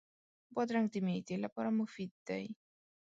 بادرنګ د معدې لپاره مفید دی.